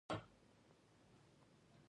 زما مور به دا ملخان له مڼو سره پاخه کړي